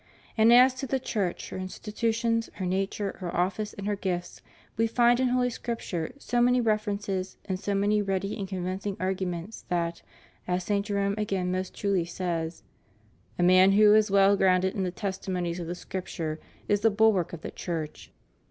And as to the Church, her institutions, her nature, her oflSce and her gifts, we find in Holy Scripture so many references and so many ready and convincing arguments that, as St. Jerome again most truly says, "A man who is well grounded in the testimonies of the Scripture is the bulwark of the Church."